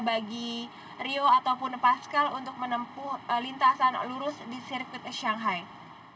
bagi rio ataupun pascal untuk menempuh lintasan lurus di sirkuit shanghai